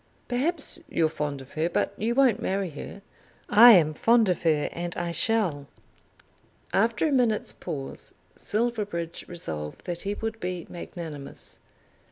Perhaps you're fond of her; but you won't marry her. I am fond of her, and I shall." After a minute's pause Silverbridge resolved that he would be magnanimous.